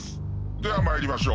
では参りましょう。